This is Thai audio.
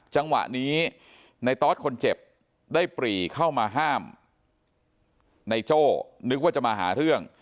จังหวะนี้ในตอสคนเจ็บได้ปรีเข้ามาห้ามในโจ้นึกว่าจะมาหาเรื่อง